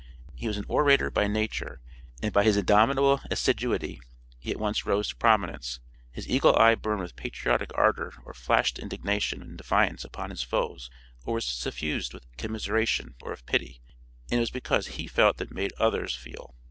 He was an orator by nature, and by his indomitable assiduity he at once rose to prominence. His eagle eye burned with patriotic ardor or flashed indignation and defiance upon his foes or was suffused with commiseration or of pity; and it was because HE felt that made OTHERS feel.